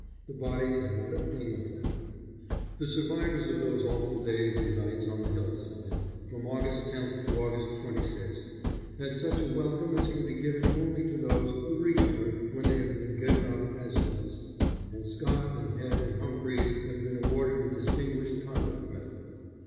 The bodies had not a thing on them. The survivors of those awful days and nights on the hillside from August 10th to August 26th had such a welcome as can be given only to those who return when they have been given up as lost, and Scott and Head and Humphries have been awarded the Distinguished Conduct Medal.